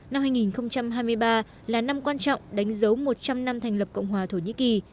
năm hai nghìn hai mươi ba là năm quan trọng đánh dấu một trăm linh năm thành lập cộng hòa thổ nhĩ kỳ